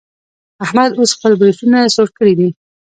احمد اوس خپل برېتونه څوړ کړي دي.